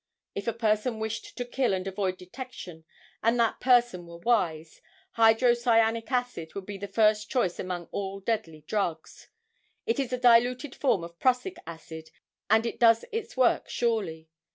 If a person wished to kill and avoid detection, and that person were wise, hydrocyanic acid would be first choice among all deadly drugs. It is a diluted form of prussic acid and it does its work surely.